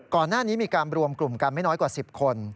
ก่อนหน้านี้มีการรวมกลุ่มกันไม่น้อยกว่า๑๐คน